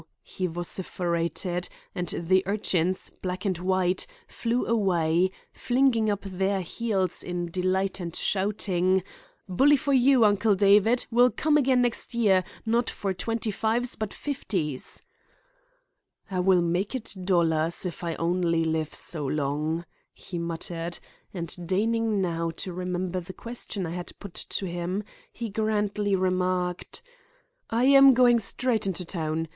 he vociferated; and the urchins, black and white, flew away, flinging up their heels in delight and shouting: "Bully for you, Uncle David! We'll come again next year, not for twenty fives but fifties." "I will make it dollars if I only live so long," he muttered. And deigning now to remember the question I had put to him, he grandly remarked: "I am going straight into town.